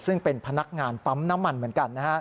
ซึ่งเป็นพนักงานปั๊มน้ำมันเหมือนกันนะฮะ